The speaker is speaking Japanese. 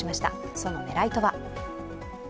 その狙いとは。